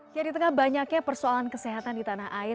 ya di tengah banyaknya persoalan kesehatan di tanah air